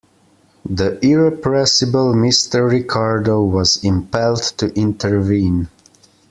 The irrepressible Mr. Ricardo was impelled to intervene.